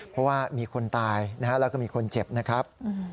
เพราะว่ามีคนตายนะฮะแล้วก็มีคนเจ็บนะครับ